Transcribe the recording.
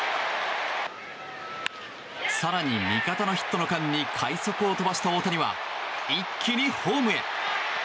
更に、味方のヒットの間に快足を飛ばした大谷は一気にホームへ。